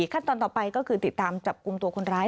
ขั้นตอนต่อไปก็คือติดตามจับกลุ่มตัวคนร้าย